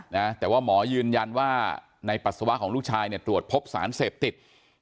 นะแต่ว่าหมอยืนยันว่าในปัสสาวะของลูกชายเนี่ยตรวจพบสารเสพติด